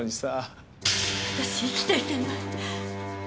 私生きていけない。